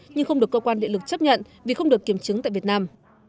nhưng không được cơ quan địa lực chấp nhận vì không được kiểm chứng tại việt nam